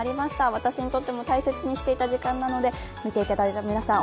私にとっても大切にしていた時間なので、見ていただいた皆さん、